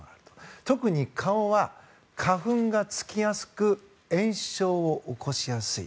特に顔は花粉が付きやすく炎症を起こしやすい。